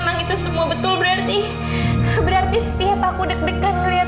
jantung tunangan dokter kan